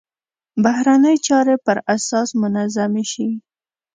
بهرنۍ چارې پر اساس منظمې شي.